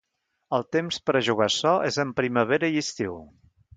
El temps per a jugar açò és en primavera i estiu.